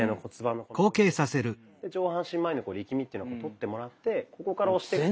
で上半身まわりの力みっていうのをとってもらってここから押してくと。